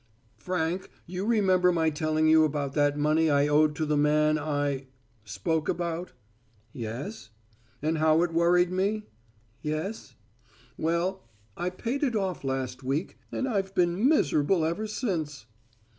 "Frank, you remember my telling you about that money I owed to the man I spoke about?" "Yes." "And how it worried me?" "Yes." "Well, I paid it off last week, and I've been miserable ever since."